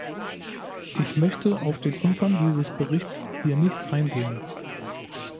Ich möchte auf den Umfang dieses Berichts hier nicht eingehen.